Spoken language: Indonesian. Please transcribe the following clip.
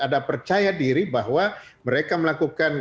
ada percaya diri bahwa mereka melakukan